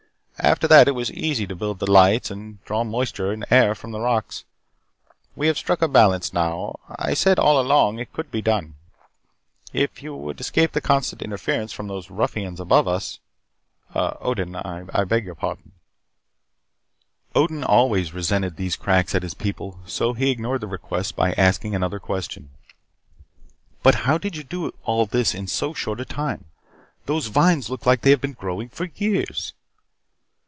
After that, it was easy to build the lights and to draw moisture and air from the rocks. We have struck a balance now. I said all along that it could be done, if we could escape the constant interference from those ruffians above us uh, Odin, I beg your pardon." Odin always resented these cracks at his people so he ignored the request by asking another question. "But how did you do all this in so short a time? Those vines look like they have been growing for years."